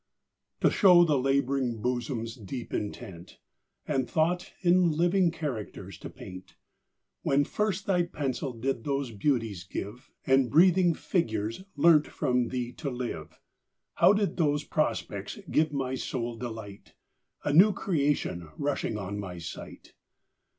TO show the lab'ring bosom's deep intent, And thought in living characters to paint, When first thy pencil did those beauties give, And breathing figures learnt from thee to live, How did those prospects give my soul delight, A new creation rushing on my sight?